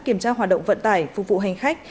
kiểm tra hoạt động vận tải phục vụ hành khách